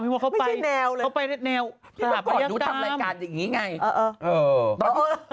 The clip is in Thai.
พี่มะกอดเข้าไปแนวพี่มะกอดดูทำรายการอย่างนี้ไงเออ